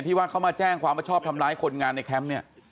ว่าเขามาแจ้งความว่าชอบทำร้ายคนงานในแคมป์เนี่ย